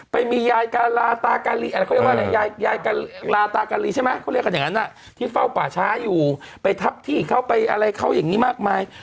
ไปมีลาตาการิไหมที่เฝ้าป่าช้าอยู่ไปทัพที่เข้าไปอะไรเขาอย่างนี้มากมาย